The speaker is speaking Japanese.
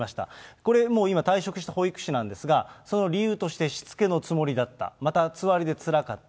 これもう今退職した保育士なんですが、その理由として、しつけのつもりだった、またつわりでつらかった。